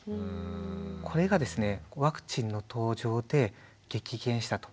これがですねワクチンの登場で激減したと。